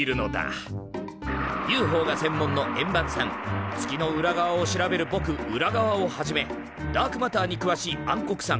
ＵＦＯが専門の円盤さん月の裏側を調べるぼくウラガワをはじめダークマターにくわしい暗黒さん